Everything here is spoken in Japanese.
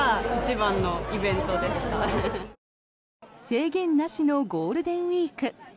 制限なしのゴールデンウィーク。